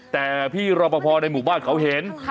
แต่พี่รอปภในหมู่บ้านเขาเห็น